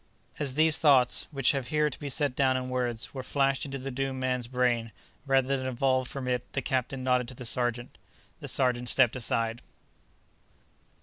As these thoughts, which have here to be set down in words, were flashed into the doomed man's brain rather than evolved from it the captain nodded to the sergeant. The sergeant stepped aside.